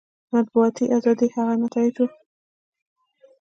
مطبوعاتي ازادي یې هغه نتایج وو.